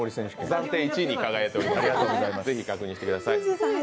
暫定１位に輝いています、ぜひ確認してください。